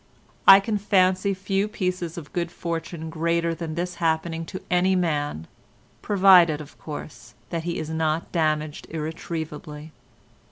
I can fancy few pieces of good fortune greater than this as happening to any man, provided, of course, that he is not damaged irretrievably.